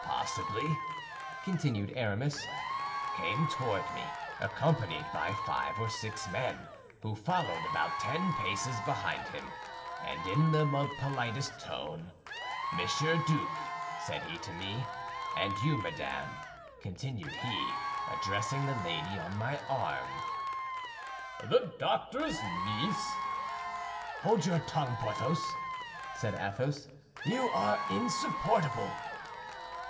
"Possibly," continued Aramis, "came toward me, accompanied by five or six men who followed about ten paces behind him; and in the politest tone, 'Monsieur Duke,' said he to me, 'and you madame,' continued he, addressing the lady on my arm—" "The doctor's niece?" "Hold your tongue, Porthos," said Athos; "you are insupportable."